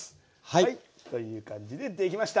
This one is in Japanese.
はいという感じで出来ました。